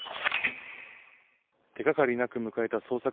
手がかりなく迎えた捜索